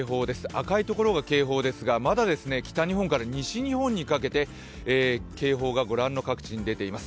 赤いところが警報ですがまだ北日本から西日本にかけて警報がご覧の各地に出ています。